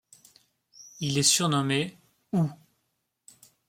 Il est surnommé ' ou '.